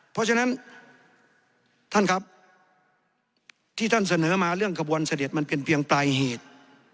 เพราะฉะนั้นท่านครับที่ท่านเสนอมาเรื่องกระบวนเสด็จมันเป็นเพียงปลายเหตุ